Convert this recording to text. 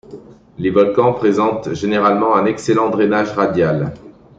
Les volcans présentent généralement un excellent drainage radial.